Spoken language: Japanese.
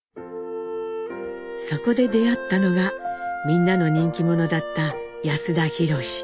そこで出会ったのがみんなの人気者だった安田弘史。